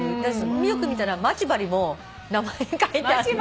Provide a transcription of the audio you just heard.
よく見たらまち針も名前書いてある。